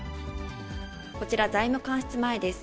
こちら財務官室前です。